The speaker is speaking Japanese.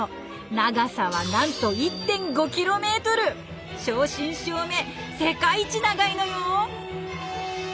長さはなんと正真正銘世界一長いのよ。